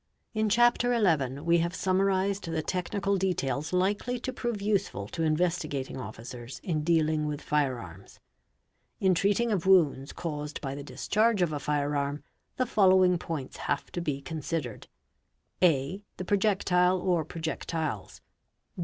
In Chapter XI we have summarized the technical details likely to prove useful to Investigating Officers in dealing with fire arms, In treating of wounds caused by the discharge of a fire arm, the following — points have to be considered. . (a) The projectile or projectiles.